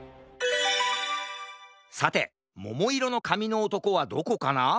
さてももいろのかみのおとこはどこかな？